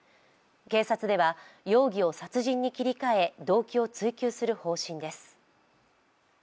警察では容疑を殺人に切り替え動機を追及する方針です。